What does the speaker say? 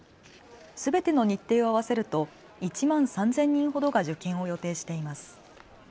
すべての日程を合わせると１万３０００人ほどが受験を予定しています。